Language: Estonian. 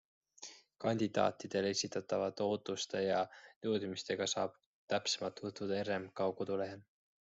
Kandidaatidele esitatavate ootuste ja nõudmistega saab täpsemalt tutvuda RMK kodulehel.